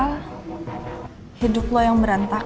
nggak ohidup lo yang merantakan